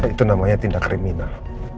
itu namanya tindak kriminal